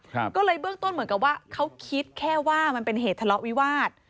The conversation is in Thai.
ก็เลยเบื้องต้นเหมือนกับว่าเขาคิดแค่ว่ามันเป็นเหตุทะเลาะวิวาส